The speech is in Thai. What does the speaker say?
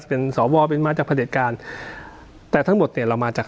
เป็นสวเป็นมาจากพระเด็จการแต่ทั้งหมดเนี่ยเรามาจาก